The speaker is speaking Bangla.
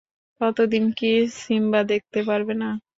ততদিন কি সিম্বা দেখতে পারবে না?